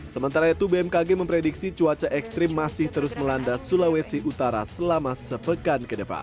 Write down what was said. sementara itu bmkg memprediksi cuaca ekstrim masih terus melanda sulawesi utara selama sepekan ke depan